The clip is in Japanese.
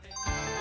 あ！